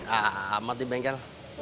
ah mati bengkel